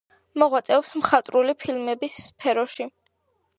მოღვაწეობს მხატვრული ფილმების სფეროში.